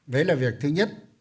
với là việc thứ nhất